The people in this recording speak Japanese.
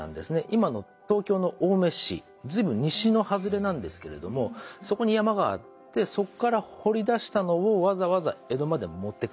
今の東京の青梅市随分西の外れなんですけれどもそこに山があってそこから掘り出したのをわざわざ江戸まで持ってくる。